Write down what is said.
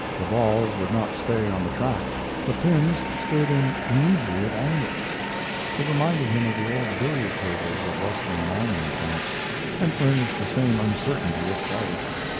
The balls would not stay on the track; the pins stood at inebriate angles. It reminded him of the old billiard tables of Western mining camps, and furnished the same uncertainty of play.